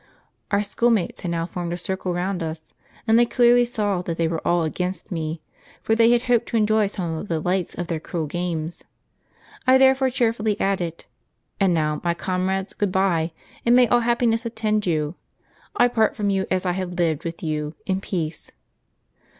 ' Our school mates had now formed a circle round us ; and I clearly saw that they were all against me, for they had hojDed to enjoy some of the delights of their cruel games ; I therefore cheerfully added, 'And now, my comrades, good bye, and may all happiness attend you. I part from you, as I have lived with you, in peace.'